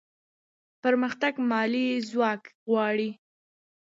پرمختګ مالي ځواک غواړي.